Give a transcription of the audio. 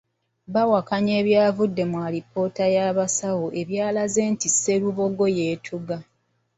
Bawakanya ebyavudde mu alipoota y’abasawo ebyalaze nti Sserubogo yeetuze.